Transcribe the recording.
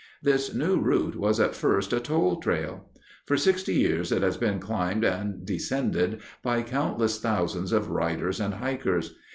This new route was at first a toll trail. For sixty years it has been climbed and descended by countless thousands of riders and hikers.